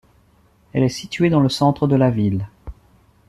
Elle est située dans le centre de la ville.